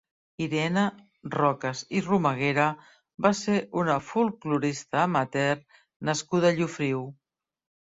Irene Rocas i Romaguera va ser una folklorista amateur nascuda a Llofriu.